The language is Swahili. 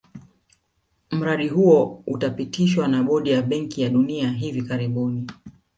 Mradi huo utapitishwa na bodi ya benki ya dunia hivi karibuni